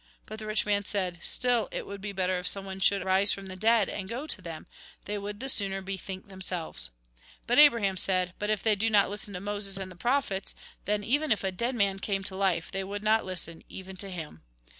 But the rich man said :' Still, it would be better if someone should rise from the dead, and go to them ; they would the sooner bethink themselves.' But Abraham said :' But if they do not listen to Moses and the prophets, then, even if a dead man came to life, they would not listen, even to him.'